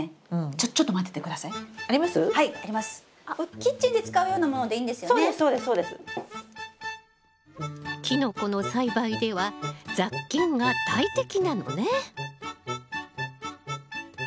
キノコの栽培では雑菌が大敵なのね！